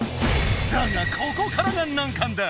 だがここからが難関だ！